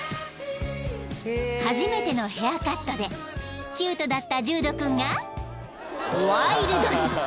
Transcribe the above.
［初めてのヘアカットでキュートだったジュード君がワイルドに］